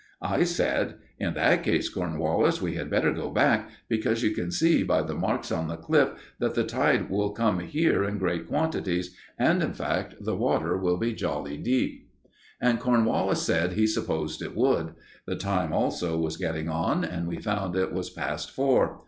I said: "In that case, Cornwallis, we had better go back, because you can see, by the marks on the cliffs, that the tide will come here in large quantities, and, in fact, the water will be jolly deep." And Cornwallis said he supposed it would. The time also was getting on, and we found it was past four.